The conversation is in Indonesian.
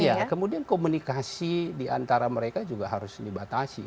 iya kemudian komunikasi di antara mereka juga harus dibatasi